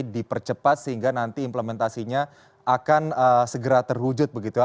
dipercepat sehingga nanti implementasinya akan segera terwujud begitu ya